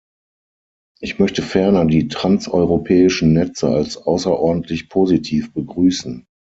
Ich möchte ferner die transeuropäischen Netze als außerordentlich positiv begrüßen.